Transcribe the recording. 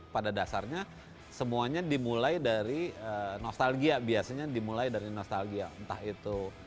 pada dasarnya semuanya dimulai dari nostalgia biasanya dimulai dari nostalgia entah itu